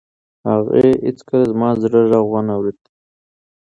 هغې هیڅکله زما د زړه غږ و نه اورېد.